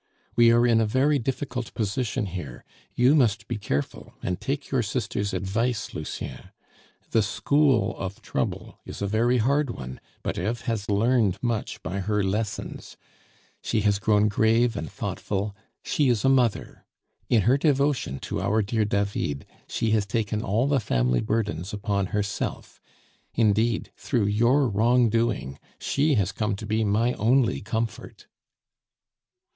We are in a very difficult position here; you must be careful, and take your sister's advice, Lucien. The school of trouble is a very hard one, but Eve has learned much by her lessons; she has grown grave and thoughtful, she is a mother. In her devotion to our dear David she has taken all the family burdens upon herself; indeed, through your wrongdoing she has come to be my only comfort."